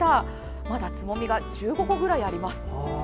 まだつぼみが１５個ぐらいあります。